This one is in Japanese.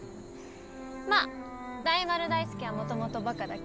まっ大丸大助はもともとバカだけど